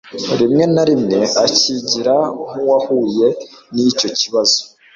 rimw na rimwe akigira nkuwahuye nicyo kibazo